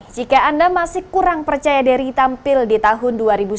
jika anda masih kurang percaya diri tampil di tahun dua ribu sembilan belas